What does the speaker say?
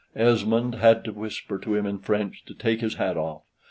Esmond had to whisper to him in French to take his hat off.